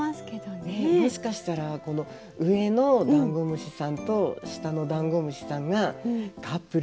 もしかしたらこの上のダンゴムシさんと下のダンゴムシさんがカップルなのかも。